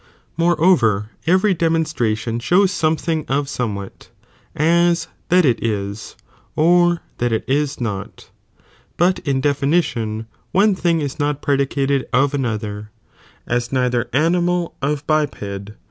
More over every demonstration shows something of somewhat, as that it is, or that it is not, but in definition one thing is not predicated of another, as neither animal of biped